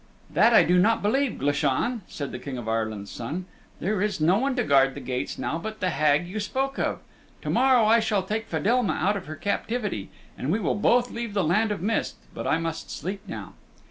"That I do not believe, Glashan," said the King of Ireland's Son. "There is no one to guard the gates now but the Hag you spoke of. To morrow I shall take Fedelma out of her captivity, and we will both leave the Land of Mist. But I must sleep now."